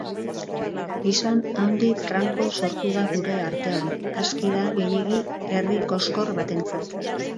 Gizon handi franko sortu da gure artean, aski eta gehiegi herri koxkor batentzat.